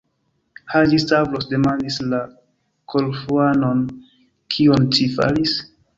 Haĝi-Stavros demandis la Korfuanon: Kion ci faris?